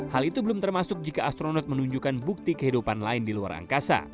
hal itu belum termasuk jika astronot menunjukkan bukti kehidupan lain di luar angkasa